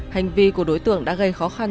hành vi của đối tượng đã gây khó khăn